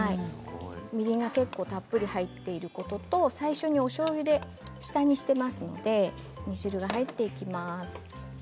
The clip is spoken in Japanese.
みりんが結構たっぷり入っていることと最初におしょうゆで下煮していますので煮汁が入っていきます。